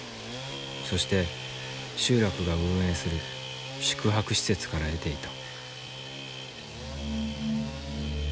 そして集落が運営する宿泊施設から得ていた。